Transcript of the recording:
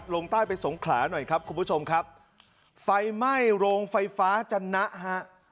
ลงใต้ไปสงขลาหน่อยครับคุณผู้ชมครับไฟไหม้โรงไฟฟ้าจันนะฮะ